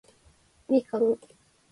みかん